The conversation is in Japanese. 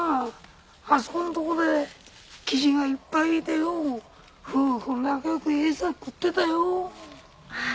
あそこの所でキジがいっぱいいてよう夫婦仲良くエサ食ってたよはあ